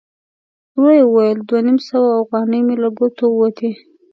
ورو يې وویل: دوه نيم سوه اوغانۍ مې له ګوتو ووتې!